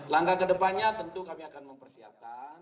langkah kedepannya tentu kami akan mempersiapkan